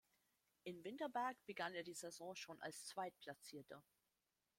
In Winterberg begann er die Saison schon als Zweitplatzierter.